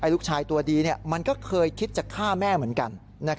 ลูกชายตัวดีมันก็เคยคิดจะฆ่าแม่เหมือนกัน